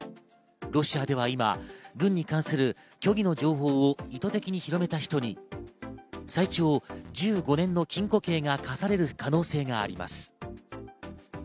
ロシアでは今、軍に関する虚偽の情報を意図的に広めた人に最長１５年の禁錮刑が科される可能性があります。